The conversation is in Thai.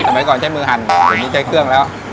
สมัยก่อนใช้มือหั่นอย่างนี้ใช้เครื่องแล้ว